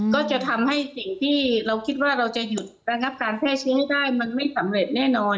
ก็จะทำให้สิ่งที่เราคิดว่าเราจะหยุดระงับการแพร่เชื้อให้ได้มันไม่สำเร็จแน่นอน